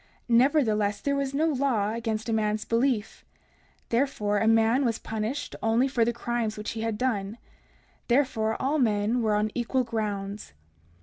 Nevertheless, there was no law against a man's belief; therefore, a man was punished only for the crimes which he had done; therefore all men were on equal grounds.